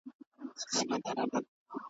ډېر پخوا چي نه موټر او نه سایکل وو .